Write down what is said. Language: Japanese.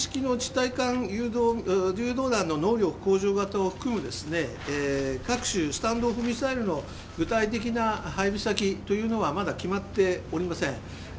対艦誘導弾の能力向上型を含む、各種スタンド・オフ・ミサイルの具体的な配備先というのはまだ決まっておりません。